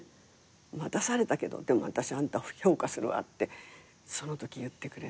「待たされたけどでもあたしあんたを評価するわ」ってそのとき言ってくれて。